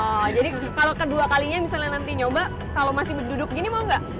oh jadi kalau kedua kalinya misalnya nanti nyoba kalau masih duduk gini mau nggak